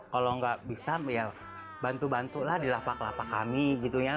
kalau nggak bisa ya bantu bantulah di lapak lapak kami gitu ya